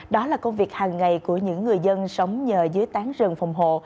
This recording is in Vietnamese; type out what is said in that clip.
đó là công việc hàng ngày của những người dân sống nhờ dưới tán rừng phòng hộ